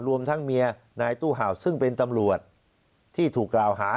รวมทั้งเมียนายตู้เห่าซึ่งเป็นตำรวจที่ถูกกล่าวหา